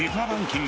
ランキング